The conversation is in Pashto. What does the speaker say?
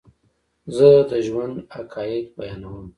زه دژوند حقایق بیانوم